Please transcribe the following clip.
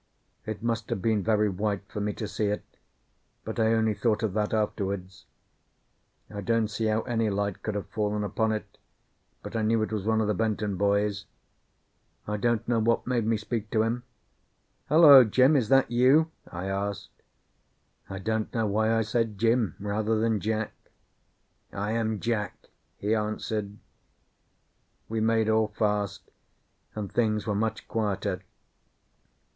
It must have been very white for me to see it, but I only thought of that afterwards. I don't see how any light could have fallen upon it, but I knew it was one of the Benton boys. I don't know what made me speak to him. "Hullo, Jim! Is that you?" I asked. I don't know why I said Jim, rather than Jack. "I am Jack," he answered. We made all fast, and things were much quieter.